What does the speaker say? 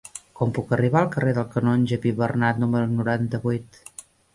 Com puc arribar al carrer del Canonge Pibernat número noranta-vuit?